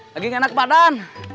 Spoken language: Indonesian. lagi nggak enak kepadam